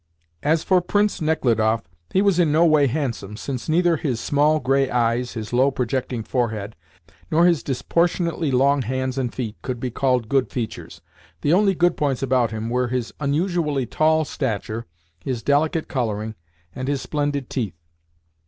As for Prince Nechludoff, he was in no way handsome, since neither his small grey eyes, his low, projecting forehead, nor his disproportionately long hands and feet could be called good features. The only good points about him were his unusually tall stature, his delicate colouring, and his splendid teeth.